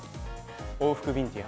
往復ビンティア。